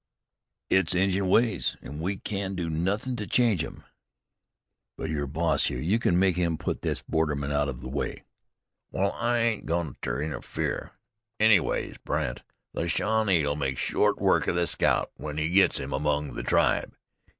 "It's Injun ways, an' we can't do nothin' to change 'em." "But you're boss here. You could make him put this borderman out of the way." "Wal, I ain't agoin' ter interfere. Anyways, Brandt, the Shawnee'll make short work of the scout when he gits him among the tribe.